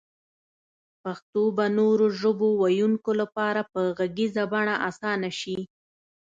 پښتو به نورو ژبو ويونکو لپاره په غږيزه بڼه اسانه شي